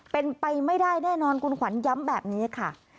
เป็นไปไม่ได้แน่นอนคุณขวัญย้ำแบบนี้ค่ะ